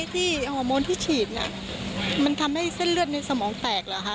สิ่งที่ติดใจก็คือหลังเกิดเหตุทางคลินิกไม่ยอมออกมาชี้แจงอะไรทั้งสิ้นเกี่ยวกับความกระจ่างในครั้งนี้